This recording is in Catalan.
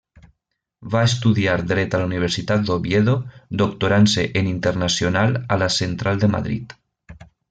Va estudiar Dret a la Universitat d'Oviedo, doctorant-se en Internacional a la Central de Madrid.